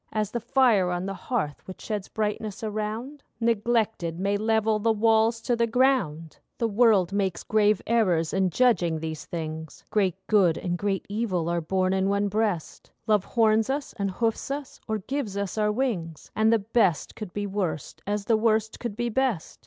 As the fire on the hearth which sheds brightness around, Neglected, may level the walls to the ground. The world makes grave errors in judging these things. Great good and great evil are born in one breast: Love horns us and hoofs us, or gives us our wings, And the best could be worst, as the worst could be best.